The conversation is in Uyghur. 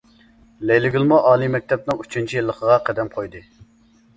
لەيلىگۈلمۇ ئالىي مەكتەپنىڭ ئۈچىنچى يىلىغا قەدەم قويدى.